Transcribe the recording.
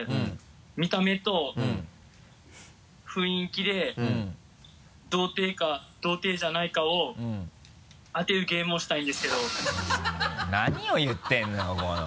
見た目と雰囲気で童貞か童貞じゃないかを当てるゲームをしたいんですけど何を言ってるの？